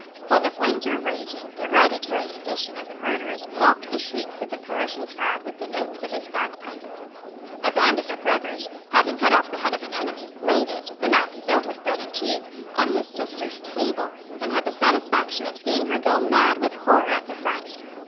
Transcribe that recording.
While the flames were raging, the hereditary musician of the murderers mocked the shrieks of the perishing crowd with the notes of his bagpipe. A band of Macgregors, having cut off the head of an enemy, laid it, the mouth filled with bread and cheese, on his sister's table, and had the satisfaction of seeing her go mad with horror at the sight.